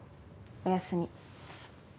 おやすみ。